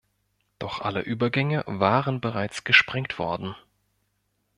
Doch alle Übergänge waren bereits gesprengt worden.